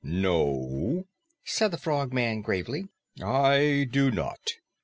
"No," said the Frogman gravely, "I do not.